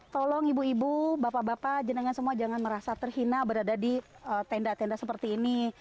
tolong ibu ibu bapak bapak jenengan semua jangan merasa terhina berada di tenda tenda seperti ini